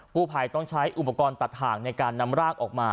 ผู้ภัยต้องใช้อุปกรณ์ตัดทางในการนำร่างออกมา